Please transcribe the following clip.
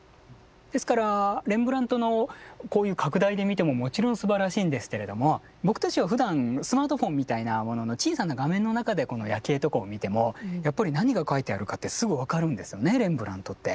ですからレンブラントのこういう拡大で見てももちろんすばらしいんですけれども僕たちはふだんスマートフォンみたいなものの小さな画面の中でこの「夜警」とかを見てもやっぱり何が描いてあるかってすぐ分かるんですよねレンブラントって。